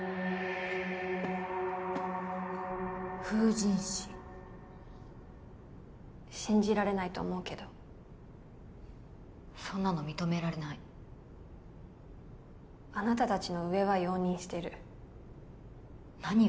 封刃師信じられないと思うけどそんなの認められないあなたたちの上は容認してる何？